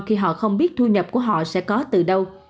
khi họ không biết thu nhập của họ sẽ có từ đâu